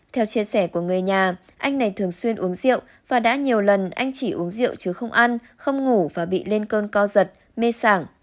theo chia sẻ của người nhà anh này thường xuyên uống rượu và đã nhiều lần anh chỉ uống rượu chứ không ăn không ngủ và bị lên cơn co giật mê sảng